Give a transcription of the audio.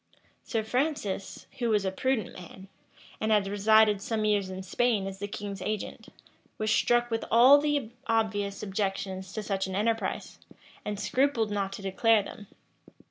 Sir Francis, who was a prudent man, and had resided some years in Spain as the king's agent, was struck with all the obvious objections to such an enterprise, and scrupled not to declare them.